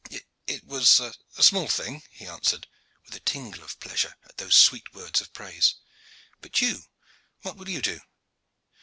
"It was a small thing," he answered, with a tingle of pleasure at these sweet words of praise. "But you what will you do?"